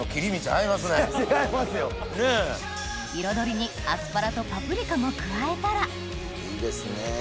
彩りにアスパラとパプリカも加えたらいいですね。